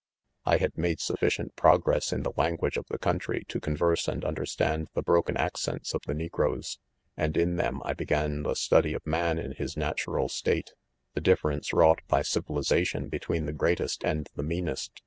, I had made sufficient progress in the lAn ;guage of the rcopntry to converse' and under ••s.tand"the broken accents; of the negroes] and ill; them s; I began. .the study of man in his natu ral state , The difference wrought by civili 'Xation between the greatest and; the meanest